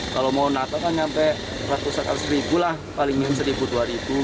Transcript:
kalau mau natal kan sampai seratus seratus lah palingnya satu dua gitu